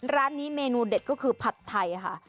ร้านนี้เมนูเด็ดก็คือผัดไทยค่ะ